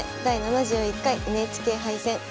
第７１回ＮＨＫ杯戦」。